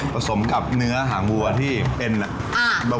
สมกับเนื้อหางวัวที่เป็นเบา